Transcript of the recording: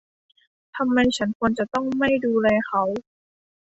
ทำไมฉันควรจะต้องไม่ดูแลเขา ?